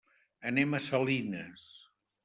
Anem a Salinas.